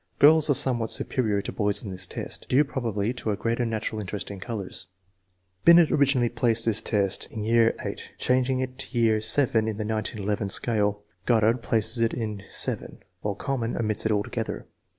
Girls are somewhat superior to boys in this test, due probably to a greater natural interest in colors. Binet originally placed this test in year VIII, changing it to year VII in the 1911 scale. Goddard places it in year VII, while Kuhlmann omits it altogether.